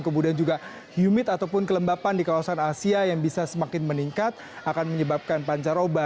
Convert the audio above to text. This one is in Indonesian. kemudian juga humid ataupun kelembapan di kawasan asia yang bisa semakin meningkat akan menyebabkan pancaroba